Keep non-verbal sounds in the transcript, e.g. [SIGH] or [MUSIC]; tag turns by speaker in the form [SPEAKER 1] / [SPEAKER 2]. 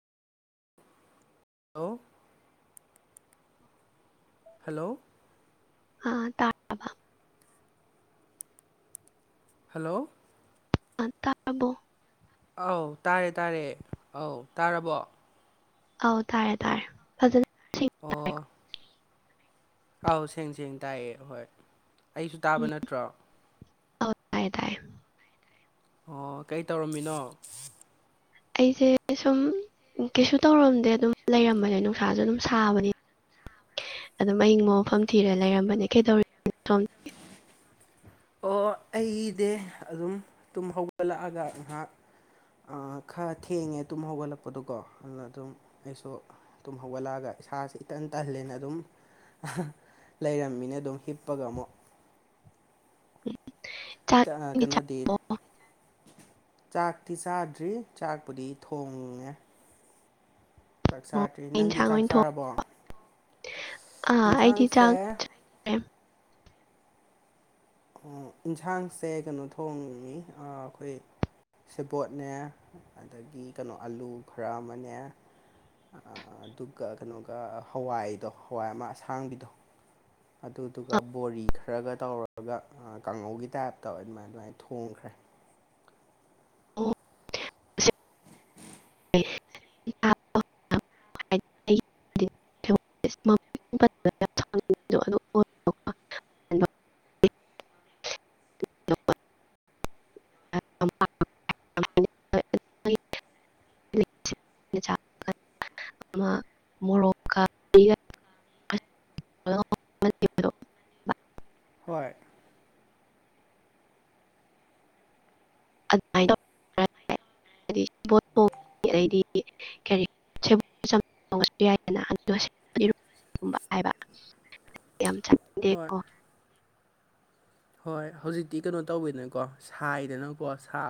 [SPEAKER 1] hello hello
[SPEAKER 2] ꯑ ꯇꯥꯏ
[SPEAKER 1] hello
[SPEAKER 2] ꯑ ꯇꯥꯔꯕꯣ
[SPEAKER 1] ꯑꯧ ꯇꯥꯔꯦ ꯇꯥꯔꯦ ꯑꯧ ꯇꯥꯔꯕꯣ
[SPEAKER 2] ꯑꯧ ꯇꯥꯔꯦ ꯇꯥꯔꯦ ꯐꯖꯅ ꯁꯦꯡꯅ ꯇꯥꯔꯦꯀꯣ
[SPEAKER 1] ꯑꯣ ꯑꯧ ꯁꯦꯡ ꯁꯦꯡ ꯇꯥꯏꯌꯦ ꯍꯣꯏ ꯑꯩꯁꯨ ꯇꯥꯕ
[SPEAKER 2] ꯎꯝ
[SPEAKER 1] ꯅꯠꯇ꯭ꯔꯣ
[SPEAKER 2] ꯑꯧ ꯇꯥꯏꯌꯦ ꯇꯥꯏꯌꯦ
[SPEAKER 1] ꯑꯣ ꯀꯩ ꯇꯧꯔꯝꯃꯤꯅꯣ
[SPEAKER 2] ꯑꯩꯁꯦ ꯁꯨꯝ ꯎ ꯀꯩꯁꯨ ꯇꯧꯔꯝꯗꯦ ꯑꯗꯨꯝ ꯂꯩꯔꯝꯕꯁꯦ ꯅꯨꯡꯁꯥꯁꯨ ꯑꯗꯨꯝ ꯁꯥꯕꯅꯤ ꯑꯗꯨꯝ ꯑꯌꯤꯡꯕ ꯃꯐꯝ ꯊꯤꯔ ꯂꯩꯔꯝꯕꯅꯦ [UNINTELLIGIBLE]
[SPEAKER 1] ꯑꯣ ꯑꯩꯗꯤ ꯑꯗꯨꯝ ꯇꯨꯝ ꯍꯧꯒꯠꯂꯛꯑꯒ ꯉꯍꯥꯛ ꯑꯥ ꯈꯔ ꯊꯦꯡꯉꯦ ꯇꯨꯝ ꯍꯧꯒꯠꯂꯛꯄꯗꯣꯀꯣ ꯑꯗꯨꯅ ꯑꯗꯨꯝ ꯑꯩꯁꯨ ꯇꯨꯝ ꯍꯧꯒꯠꯂꯛꯑꯒ ꯏꯁꯥꯁꯦ ꯏꯇꯟ ꯇꯍꯜꯂꯦꯅ ꯑꯗꯨꯝ ꯂꯩꯔꯝꯃꯤꯅꯦ ꯑꯗꯨꯝ ꯍꯤꯞꯄꯒ ꯑꯃꯨꯛ
[SPEAKER 2] ꯆꯥꯛ ꯏꯁꯤꯡꯗꯤ
[SPEAKER 1] ꯀꯩꯅꯣꯗꯤ
[SPEAKER 2] ꯆꯥꯔꯕꯣ
[SPEAKER 1] ꯆꯥꯛꯇꯤ ꯆꯥꯗ꯭ꯔꯤ ꯆꯥꯛꯄꯨꯗꯤ ꯊꯣꯡꯉꯦ ꯆꯥꯛ
[SPEAKER 2] ꯑꯣ
[SPEAKER 1] ꯆꯥꯗ꯭ꯔꯤ
[SPEAKER 2] ꯀꯩ
[SPEAKER 1] ꯅꯪꯗꯤ
[SPEAKER 2] ꯏꯟꯁꯥꯡ
[SPEAKER 1] ꯆꯥꯛ
[SPEAKER 2] ꯑꯣꯏꯅ ꯊꯣꯡ
[SPEAKER 1] ꯆꯥꯔꯕꯣ
[SPEAKER 2] ꯑꯥ ꯑꯩꯗꯤ
[SPEAKER 1] ꯏꯟꯁꯥꯡꯁꯦ
[SPEAKER 2] ꯆꯥꯈ꯭ꯔꯦ ꯑꯥ
[SPEAKER 1] ꯑꯣ ꯏꯟꯁꯥꯡꯁꯦ ꯀꯩꯅꯣ ꯊꯣꯡꯉꯤ ꯑꯥ ꯑꯩꯈꯣꯏ ꯁꯦꯕꯣꯠꯅꯦ ꯑꯗꯒꯤ ꯀꯩꯅꯣ ꯑꯂꯨ ꯈꯔ ꯑꯃꯅꯦ ꯑꯗꯨꯒ ꯀꯩꯅꯣꯒ ꯍꯋꯥꯏꯗꯣ ꯍꯋꯥꯏ ꯑꯃ ꯑꯁꯥꯡꯕꯤꯗꯣ ꯑꯗꯨꯗꯨꯒ ꯕꯣꯔꯤ ꯈꯔꯒ ꯇꯧꯔꯒ ꯀꯥꯡꯉꯧꯒꯤ ꯇꯥꯏꯞꯇ ꯑꯗꯨꯃꯥꯏꯅ ꯑꯗꯨꯃꯥꯏꯅ ꯊꯣꯡꯈ꯭ꯔꯦ
[SPEAKER 2] [UNINTELLIGIBLE] [UNINTELLIGIBLE] [UNINTELLIGIBLE] [UNINTELLIGIBLE] [UNINTELLIGIBLE] ꯑꯃ ꯃꯣꯔꯣꯛꯀ [INAUDIBLE]
[SPEAKER 1] ꯍꯣꯏ
[SPEAKER 2] ꯑꯗꯨꯃꯥꯏꯅ [UNINTELLIGIBLE] ꯑꯗꯩꯗꯤ ꯀꯔꯤ [UNINTELLIGIBLE] [INAUDIBLE]
[SPEAKER 1] ꯍꯣꯏ ꯍꯣꯏ ꯍꯧꯖꯤꯛꯇꯤ ꯀꯩꯅꯣ ꯇꯧꯏꯗꯅꯀꯣ ꯁꯥꯏꯗ ꯅꯪꯀꯣ